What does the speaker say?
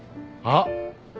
あっ！